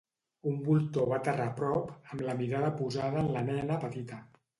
Un voltor va aterrar a prop amb la mirada posada en la nena petita.